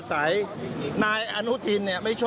ตายตามทั่วไปที่ไปมุมเมิล